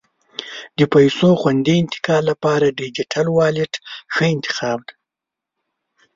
د پیسو خوندي انتقال لپاره ډیجیټل والېټ ښه انتخاب دی.